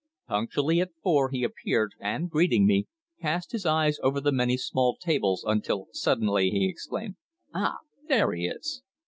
Punctually at four he appeared, and greeting me, cast his eyes over the many small tables, until suddenly he exclaimed: "Ah! There he is!"